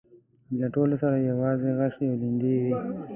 له ټولو سره يواځې غشي او ليندۍ وې.